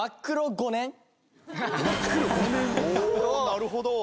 なるほど。